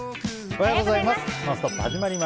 おはようございます。